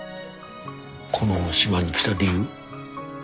この島に来た理由。